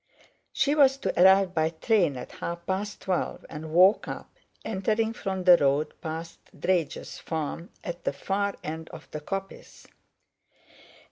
She was to arrive by train at half past twelve and walk up, entering from the road past Drage's farm at the far end of the coppice.